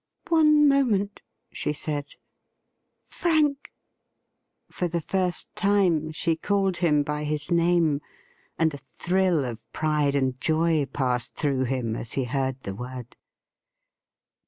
.' One moment,' she said. ' Frank '— for the first time she called him by his name, and a thrill of pride and joy passed through him as he heard the word.